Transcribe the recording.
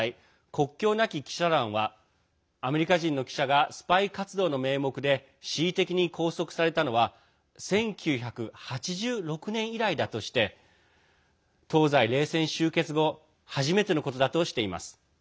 国境なき記者団はアメリカ人の記者がスパイ活動の名目で恣意的に拘束されたのは１９８６年以来だとして東西冷戦終結後初めてのことだとしています。